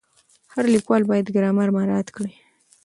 هر لیکوال باید ګرامر مراعت کړي.